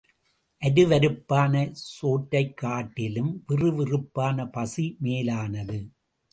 அருவருப்பான சோற்றைக்காட்டிலும் விறுவிறுப்பான பசி மேலானது.